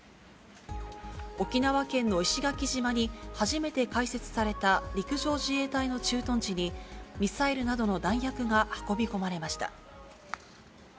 沖縄県の石垣島に初めて開設された陸上自衛隊の駐屯地に、ミサイルなどの弾薬が運び込まれました。